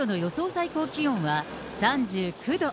最高気温は３９度。